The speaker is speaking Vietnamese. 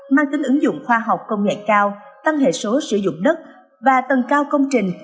mang tính ứng dụng khoa học công nghệ cao tăng hệ số sử dụng đất và tầng cao công trình